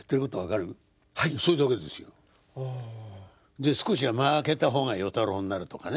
で少し間ぁ空けた方が与太郎になるとかね。